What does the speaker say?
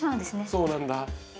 そうなんだ。